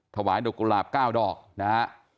ดอกกุหลาบ๙ดอกนะฮะ